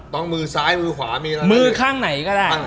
ต้องมือซ้ายมือขวามือข้างไหนก็ได้